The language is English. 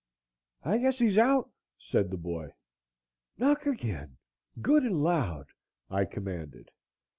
"I guess he's out," said the boy. "Knock again good and loud," I commanded.